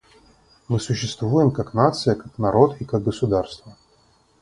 Мы существуем как нация, как народ и как государство.